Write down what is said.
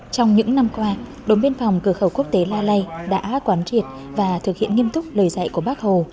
trong những năm qua đồn biên phòng cửa khẩu quốc tế la lây đã quán triệt và thực hiện nghiêm túc lời dạy của bác hồ